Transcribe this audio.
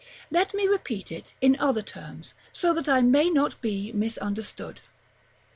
Let me repeat it in other terms, so that I may not be misunderstood.